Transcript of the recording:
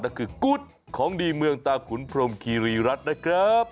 นั่นคือกุ๊ดของดีเมืองตาขุนพรมคีรีรัฐนะครับ